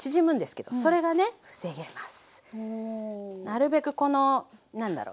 なるべくこのなんだろ。